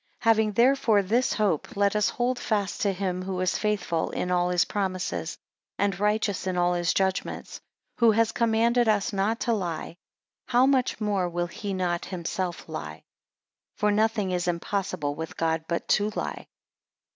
10 Having therefore this hope, let us hold fast to him who is faithful in all his promises, and righteous in all his judgments; who has commanded us not to lie, how much more will he not himself lie? 11 For nothing is impossible with God but to lie.